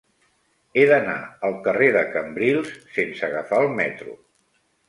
He d'anar al carrer de Cambrils sense agafar el metro.